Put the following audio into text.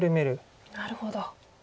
なるほど。